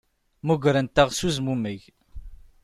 Mmugrent-aɣ s uzmumeg.